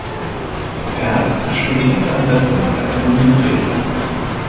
Perks studierte an der Kunstakademie Dresden.